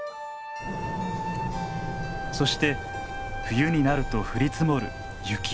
そして冬になると降り積もる雪。